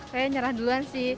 kayaknya nyerah duluan sih